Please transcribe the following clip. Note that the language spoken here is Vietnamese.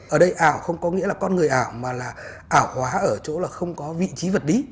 ở đây ảo không có nghĩa là con người ảo mà là ảo hóa ở chỗ là không có vị trí vật lý